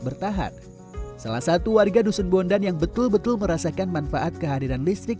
bertahan salah satu warga dusun bondan yang betul betul merasakan manfaat kehadiran listrik